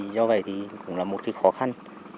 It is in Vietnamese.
do vậy cũng là một khó khăn